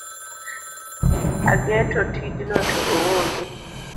Ageto tijno to oonge.